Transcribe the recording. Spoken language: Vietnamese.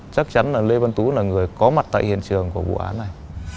chắc chắn là lê văn tú là người có mặt tại hiện trường của vụ án này